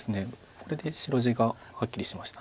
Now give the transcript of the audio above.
これで白地がはっきりしました。